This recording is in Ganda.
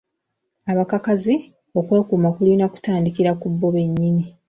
Abakakazi okwekuuma kulina kutandikira kubo be nnyini.